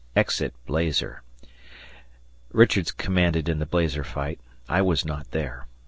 Exit Blazer! Richards commanded in the Blazer fight. I was not there.